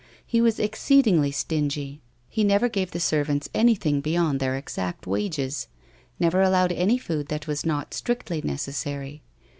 He was exceedingly stingy ; he never gave the servants anything beyond their exact wages, never allowed any food that was not strictly necessary.